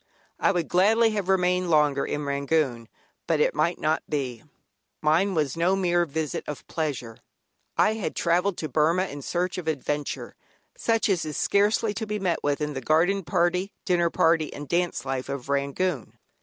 I would gladly have remained longer in Rangoon, but it might not be. Mine was no mere visit of pleasure; I had travelled to Burmah in search of adventure, such as is scarcely to be met with in the garden party, dinner party, and dance life of Rangoon.